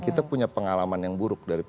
kita punya pengalaman yang buruk dari